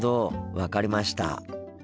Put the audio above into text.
分かりました。